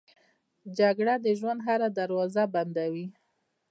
جګړه د ژوند هره دروازه بندوي